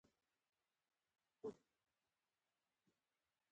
د حموربي قانون د بابل د ټولنیز نظم غوره سرچینه وه.